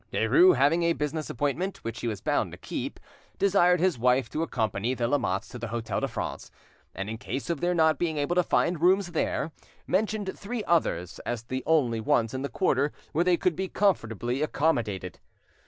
Derues having a business appointment which he was bound to keep, desired his wife to accompany the Lamottes to the Hotel de France, and in case of their not being able to find rooms there, mentioned three others as the only ones in the quarter where they could be comfortably accommodated.